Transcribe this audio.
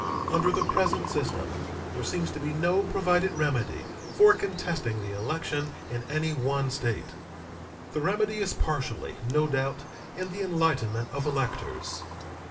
Under the present system there seems to be no provided remedy for contesting the election in any one State. The remedy is partially, no doubt, in the enlightenment of electors.